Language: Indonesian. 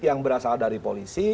yang berasal dari polisi